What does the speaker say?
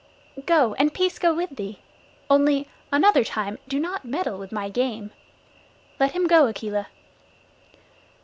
"Go, and peace go with thee. Only, another time do not meddle with my game. Let him go, Akela."